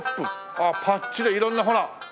ああパッチで色んなほら。